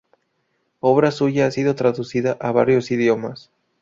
Obra suya ha sido traducida a varios idiomas.